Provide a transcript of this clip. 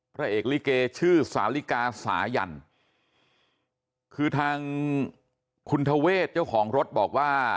พระเอกลิเกชื่อสาลิกาสายันคือทางคุณทเวศเจ้าของรถบอกว่า